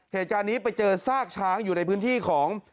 เหตุการณ์นี้ไปเจอซากช้างอยู่ในพื้นที่ของ